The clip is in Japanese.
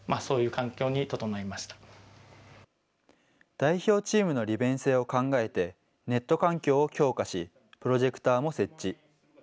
代表チームの利便性を考えて、ネット環境を強化し、プロジェクターも設置。